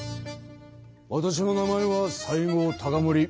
わたしの名前は西郷隆盛。